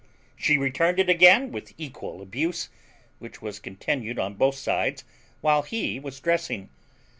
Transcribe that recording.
She returned it again with equal abuse, which was continued on both sides while he was dressing.